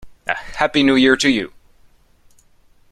A happy New Year to you!